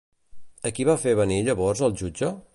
A qui va fer venir llavors el jutge?